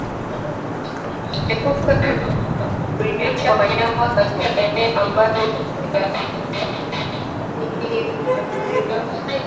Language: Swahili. Epuka kulishia wanyama katika maeneo ambayo yamewahi kushambuliwa na kupe kukabiliana na mkojo damu